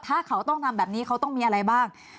ถ้าเขาต้องทำแบบนี้เขาต้องมีอะไรบ้าง